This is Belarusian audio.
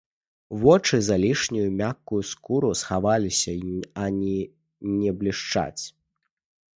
Вочы за лішнюю, мяккую скуру схаваліся й ані не блішчаць.